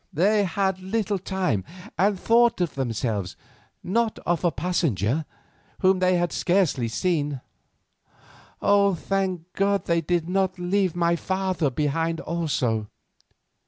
They had little time, and thought of themselves, not of a passenger, whom they had scarcely seen. Thank God they did not leave my father behind also."